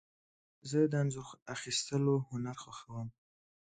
زه د انځور اخیستلو هنر خوښوم.